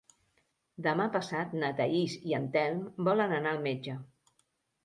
Demà passat na Thaís i en Telm volen anar al metge.